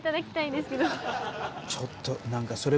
ちょっとなんか。